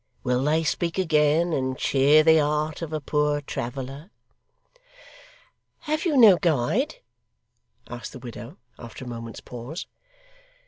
Will they speak again, and cheer the heart of a poor traveller?' 'Have you no guide?' asked the widow, after a moment's pause.